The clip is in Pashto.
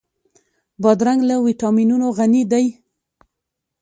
بادرنګ له ويټامینونو غني دی.